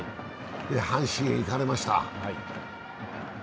阪神へ行かれました。